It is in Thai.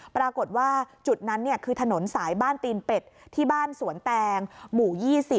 ปรากฏว่าจุดนั้นคือถนนสายบ้านตีนเป็ดที่บ้านสวนแตงหมู่๒๐